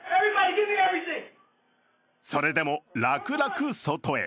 それでも楽々外へ。